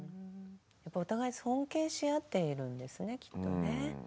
お互い尊敬し合っているんですねきっとね。